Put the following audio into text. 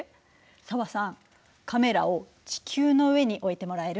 紗和さんカメラを地球の上に置いてもらえる？